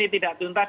ini tidak tuntas